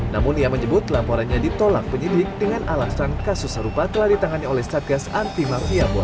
namun ia menyebut laporannya ditolak penyidik dengan alasan kasus serupa telah ditangani oleh satgas anti mafia bola